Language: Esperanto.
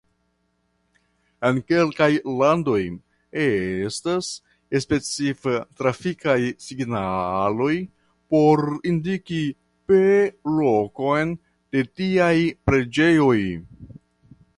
En kelkaj landoj estas specifa trafikaj signaloj por indiki pe lokon de tiaj preĝejoj.